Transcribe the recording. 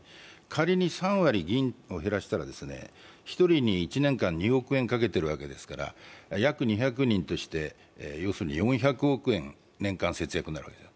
仮に３割議員を減らしたら、１人に１年間２億円かけているわけですから約２００人として、要するに年間４００億円節約になるわけです。